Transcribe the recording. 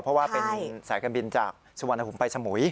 เพราะว่าเป็นสายการบินจากสุวรรณภูมิไปสมุย